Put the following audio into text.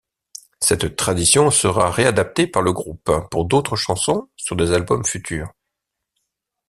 Cette tradition sera réadaptée par le groupe pour d'autres chansons sur des albums futurs.